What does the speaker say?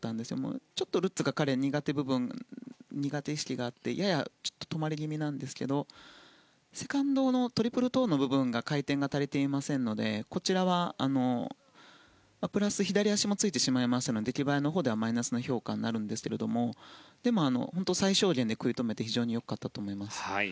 ちょっとルッツが彼苦手意識があってやや止まり気味なんですがセカンドのトリプルトウの部分回転が足りていませんのでこちらはプラス左足もついてしまいますので出来栄えのほうではマイナス評価になりますが最小限で食い止めて非常に良かったと思います。